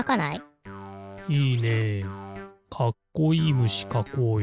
いいねかっこいいムシかこうよ。